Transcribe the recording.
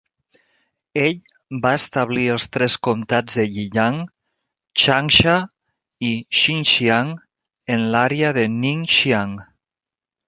Ell va establir els tres comtats de Yiyang, Changsha i Xiangxiang, en l'àrea de Ningxiang.